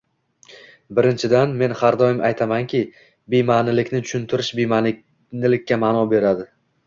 Birinchidan, men har doim aytamanki, bema'nilikni tushuntirish bema'nilikka ma'no beradi